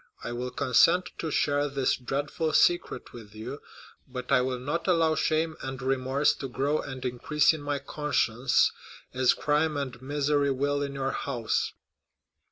I will consent to share this dreadful secret with you, but I will not allow shame and remorse to grow and increase in my conscience, as crime and misery will in your house."